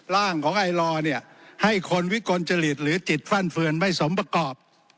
ร่างของไอลอร์เนี่ยให้คนวิกลจริตหรือจิตฟั่นเฟือนไม่สมประกอบ